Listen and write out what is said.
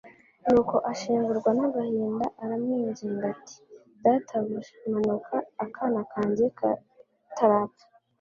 Nuko ashengurwa n'agahinda, aramwinginga ati: "Databuja, manuka, akana kanjye katarapfa.